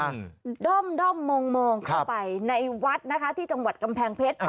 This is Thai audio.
ด้อมด้อมมองมองเข้าไปในวัดนะคะที่จังหวัดกำแพงเพชร